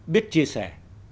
biết chia sẻ